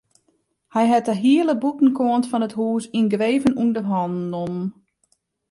Hy hat de hiele bûtenkant fan it hûs yngreven ûnder hannen nommen.